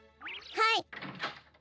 はい。